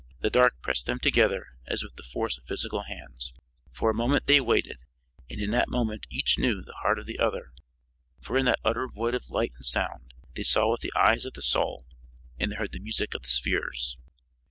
The dark pressed them together as if with the force of physical hands. For a moment they waited, and in that moment each knew the heart of the other, for in that utter void of light and sound, they saw with the eyes of the soul and they heard the music of the spheres.